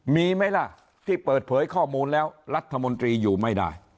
มีไหมล่ะที่เปิดเผยข้อมูลแล้วรัฐมนตรีอยู่ไม่ได้